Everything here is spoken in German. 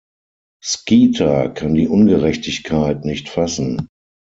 Skeeter kann die Ungerechtigkeit nicht fassen.